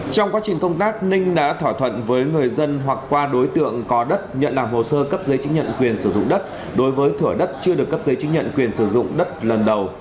trong quá trình công tác ninh đã thỏa thuận với người dân hoặc qua đối tượng có đất nhận làm hồ sơ cấp giấy chứng nhận quyền sử dụng đất đối với thửa đất chưa được cấp giấy chứng nhận quyền sử dụng đất lần đầu